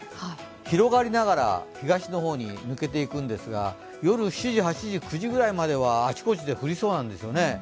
広がりながら東の方に抜けていくんですが夜７時、８時、９時ぐらいまでは、あちこちで降りそうなんですよね。